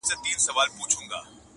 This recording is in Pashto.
له خټو جوړه لویه خونه ده زمان ژوولې!!